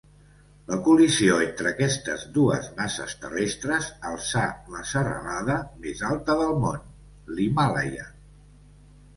La col·lisió entre aquestes dues masses terrestres alçà la serralada més alta del món, l'Himàlaia.